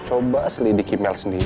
coba selidiki mel sendiri